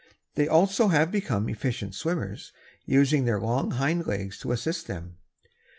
They also have become efficient swimmers, using their long hind legs to assist them.